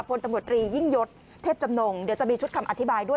พลตำรวจตรียิ่งยศเทพจำนงเดี๋ยวจะมีชุดคำอธิบายด้วย